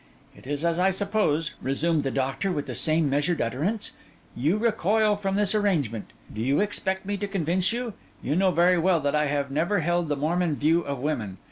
'It is as I supposed,' resumed the doctor, with the same measured utterance. 'You recoil from this arrangement. Do you expect me to convince you? You know very well that I have never held the Mormon view of women.